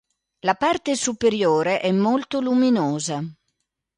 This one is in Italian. La parte superiore è molto luminosa.